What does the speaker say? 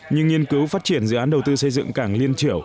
nhưng nghiên cứu phát triển dự án đầu tư sẽ không được